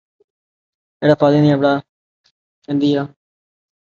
The car also suffered from some engine and wind noise.